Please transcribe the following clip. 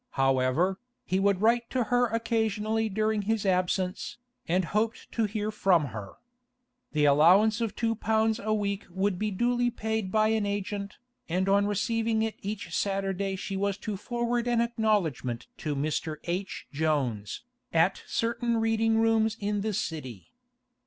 However, he would write to her occasionally during his absence, and hoped to hear from her. The allowance of two pounds a week would be duly paid by an agent, and on receiving it each Saturday she was to forward an acknowledgment to 'Mr. H. Jones,' at certain reading rooms in the City.